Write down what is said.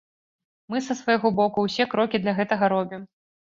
Мы са свайго боку усе крокі для гэтага робім.